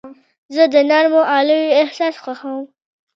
زه د نرمو غالیو احساس خوښوم.